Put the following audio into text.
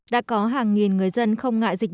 đã có hàng nghìn người dân không ngại dịch